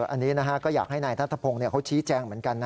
อันนี้ก็อยากให้นายทัศพงศ์เขาชี้แจงเหมือนกันนะ